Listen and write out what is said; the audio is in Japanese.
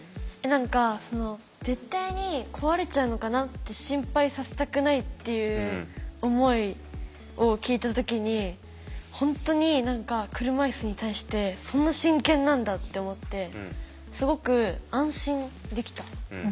何かその絶対に壊れちゃうのかなって心配させたくないっていう思いを聞いた時に本当に何か車いすに対してそんな真剣なんだって思ってすごく安心できた。